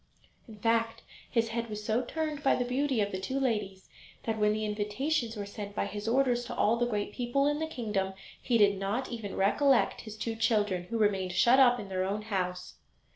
In fact his head was so turned by the beauty of the two ladies that when the invitations were sent by his orders to all the great people in the kingdom, he did not even recollect his two children, who remained shut up in their own house!